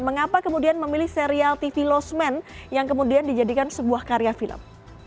mengapa kemudian memilih serial tv losmen yang kemudian dijadikan sebuah karya film